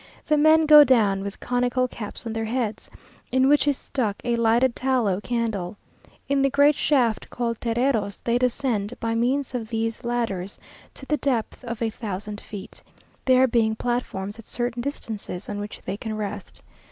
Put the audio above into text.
The men go down with conical caps on their heads, in which is stuck a lighted tallow candle. In the great shaft, called Terreros, they descend, by means of these ladders, to the depth of a thousand feet, there being platforms at certain distances, on which they can rest.